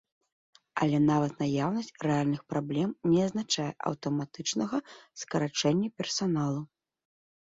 Але нават наяўнасць рэальных праблем не азначае аўтаматычнага скарачэння персаналу.